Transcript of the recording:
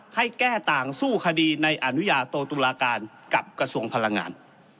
ให้แก้ต่างสู้คดีในอนุญาโตตุลาการกับกระทรวงพลังงาน